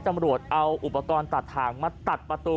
ตำรวจเอาอุปกรณ์ตัดถ่างมาตัดประตู